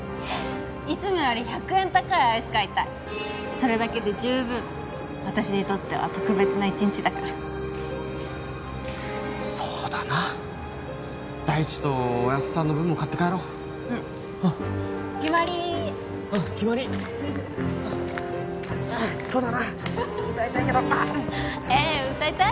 いつもより１００円高いアイス買いたいそれだけで十分私にとっては特別な一日だからそうだな大地とおやっさんの分も買って帰ろううん決まりうんうん決まりうんそうだな歌いたいけどええ歌いたい？